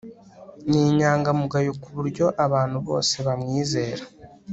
Ni inyangamugayo kuburyo abantu bose bamwizera